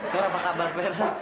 suara apa kabar fer